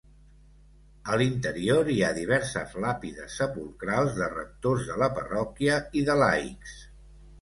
A l'interior hi ha diverses làpides sepulcrals de rectors de la parròquia i de laics.